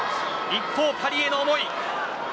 一方、パリへの思い。